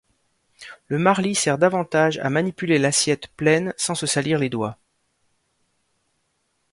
Le marli sert davantage à manipuler l'assiette pleine sans se salir les doigts.